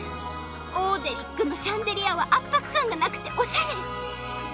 ＯＤＥＬＩＣ のシャンデリアは圧迫感がなくておしゃれ！